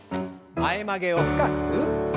前曲げを深く。